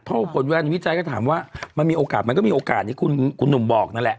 มันก็จะถามว่ามันมีโอกาสมันก็มีโอกาสที่คุณหนุ่มบอกนั่นแหละ